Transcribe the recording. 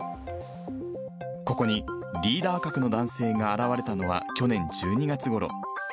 ここにリーダー格の男性が現れたのは、去年１２月ごろ。